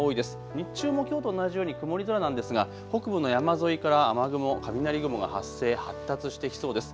日中もきょうと同じように曇り空なんですが北部の山沿いから雨雲、雷雲が発生、発達してきそうです。